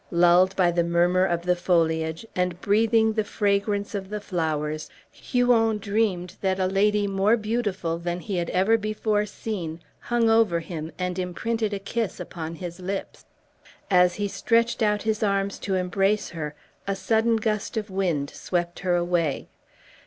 Lulled by the murmur of the foliage, and breathing the fragrance of the flowers, Huon dreamed that a lady more beautiful than he had ever before seen hung over him and imprinted a kiss upon his lips. As he stretched out his arms to embrace her a sudden gust of wind swept her away.